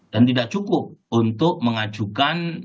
dan tidak cukup untuk mengajukan